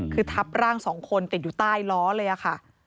คือทับร่างสองคนติดอยู่ใต้ล้อเลยค่ะ